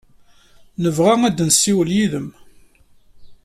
Nebɣa ad nessiwel yid-m.